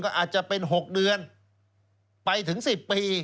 ก็อาจจะเป็น๖เดือนไปถึง๑๐ปี